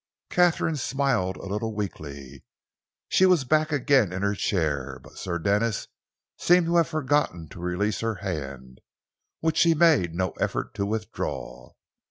Katharine smiled a little weakly. She was back again in her chair, but Sir Denis seemed to have forgotten to release her hand, which she made no effort to withdraw.